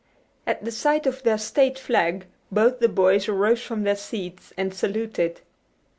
At the sight of their State flag both the boys arose from their seats and saluted.